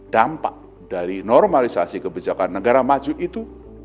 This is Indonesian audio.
dampak dari normalisasi kebijakan negara maju itu